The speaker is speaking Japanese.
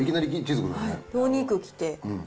お肉来て。